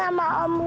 habis dia tidur